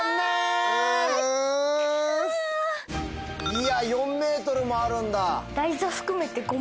いや４ｍもあるんだ。